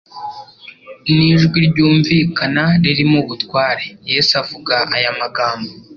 N'ijwi ryumvikana ririmo ubutware, Yesu avuga aya magambo